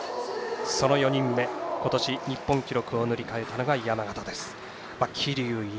その４人目、今年日本記録を塗り替えたのが山縣。